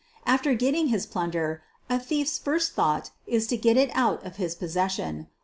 After getting his plunder a thief's first thought is to get it out of his possession.